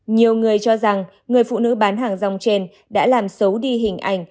nhiều người cho rằng người phụ nữ bán hàng rong trên đã làm xấu đi hình ảnh